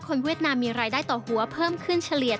เวียดนามมีรายได้ต่อหัวเพิ่มขึ้นเฉลี่ย